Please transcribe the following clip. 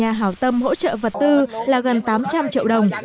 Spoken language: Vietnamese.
hợp động nhà hào tâm hỗ trợ vật tư là gần tám trăm linh triệu đồng